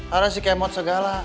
ada si kemot segala